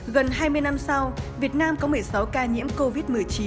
gần hai mươi năm sau việt nam có một mươi sáu ca nhiễm covid một mươi chín